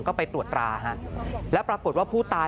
ก็ไปตรวจตราฮะแล้วปรากฏว่าผู้ตาย